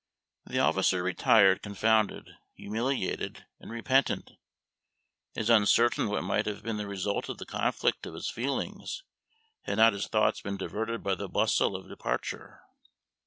The officer retired confounded, humiliated, and repentant. It is uncertain what might have been the result of the conflict of his feelings, had not his thoughts been diverted by the bustle of departure.